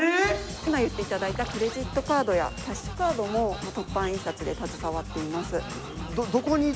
今言って頂いたクレジットカードやキャッシュカードも凸版印刷で携わっています。